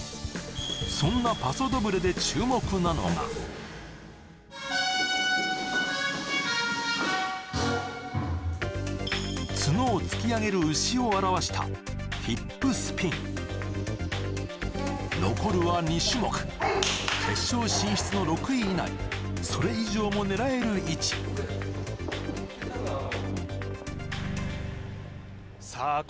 そんなパソドブレで注目なのが角を突き上げる牛を表したヒップスピン残るは２種目決勝進出の６位以内それ以上も狙える位置さあ